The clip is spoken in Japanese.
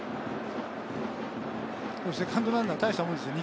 セカンドランナー、大したもんですよ。